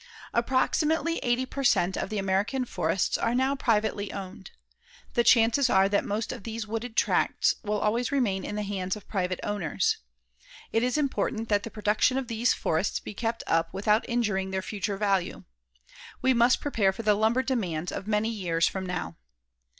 Approximately eighty per cent of the American forests are now privately owned. The chances are that most of these wooded tracts will always remain in the hands of private owners. It is important that the production of these forests be kept up without injuring their future value. We must prepare for the lumber demands of many years from now.